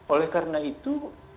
oleh karena itu